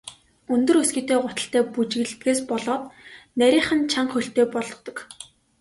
Өндөр өсгийтэй гуталтай бүжиглэдгээс болоод нарийхан, чанга хөлтэй болгодог.